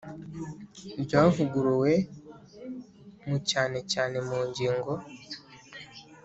Ryavuguruwe mu cyane cyane mu ngingo